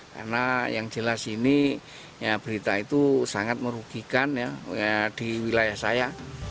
karena yang jelas ini berita itu sangat merugikan ya di wilayah saya